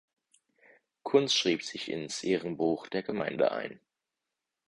Kuntz schrieb sich ins Ehrenbuch der Gemeinde ein.